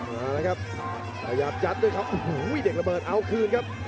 มาแล้วครับพยายามยัดด้วยเขาโอ้โหเด็กระเบิดเอาคืนครับ